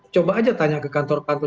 coba aja tanya ke kantor kantor